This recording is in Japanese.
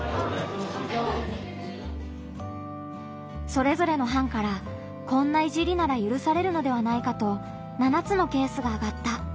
それぞれの班から「こんないじりならゆるされるのではないかと７つのケースがあがった。